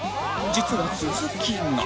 実は続きが